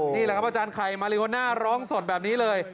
นี่แหละครับอาจารย์ไข่มาริโอน่าร้องสดแบบนี้เลย